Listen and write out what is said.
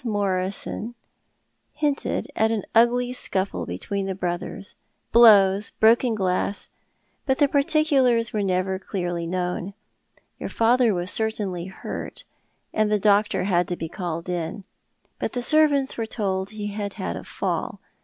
Morison hinted at an ugly scuffle between the brothers — blows, broken glass — but the particulars were never clearly known. Your father was certainly hurt, and the doctor had to be called in ; but the servants were told he had had a fall.